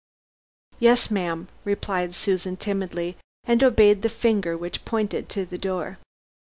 "Yes, ma'am," replied Susan timidly, and obeyed the finger which pointed to the door.